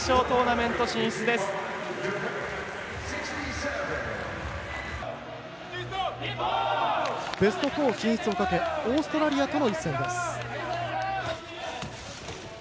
ベスト４進出をかけオーストラリアとの一戦です。